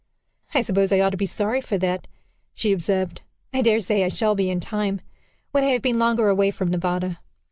"I suppose I ought to be sorry for that," she observed. "I dare say I shall be in time when I have been longer away from Nevada."